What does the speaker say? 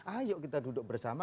ayo kita duduk bersama